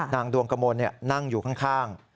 นางดวงกะมนต์นั่งอยู่ข้าง